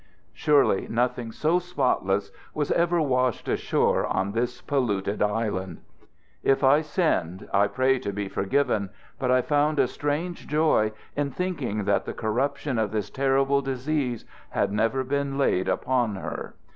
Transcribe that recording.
Surely nothing so spotless was ever washed ashore on this polluted island! If I sinned, I pray to be forgiven; but I found a strange joy in thinking that the corruption of this terrible disease had never been laid upon her.